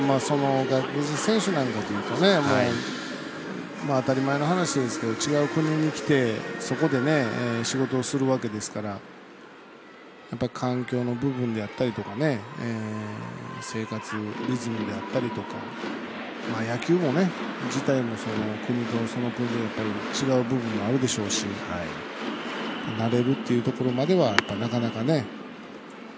外国人選手なんかでいうと当たり前の話ですけど違う国に来てそこで仕事をするわけですからやっぱり、環境の部分であったり生活リズムであったりとか野球自体も国と、その国で違う部分もあるでしょうし慣れるっていうところまではなかなかね。